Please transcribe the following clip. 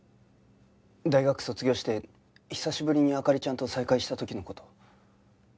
大学卒業して久しぶりに灯ちゃんと再会した時の事。